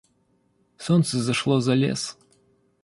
Солнце зашло за лес.